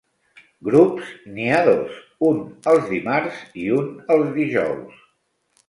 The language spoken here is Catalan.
Grups, n'hi ha dos, un els dimarts i un els dijous.